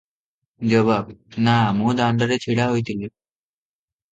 ଜବାବ - ନା ମୁଁ ଦାଣ୍ଡରେ ଛିଡା ହୋଇଥିଲି ।